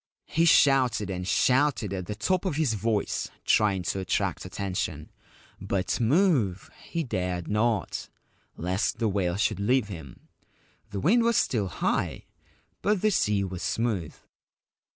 He shouted and shouted at the top of his voice, trying to attract attention ; but move he dared not, lest the whale should leave him. The wind was still high ; but the sea was smooth.